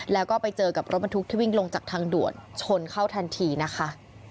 แล้วก็ไปเจอกับรถบรรทุกที่วิ่งลงจากทางด่วนชนเข้าทันทีนะคะ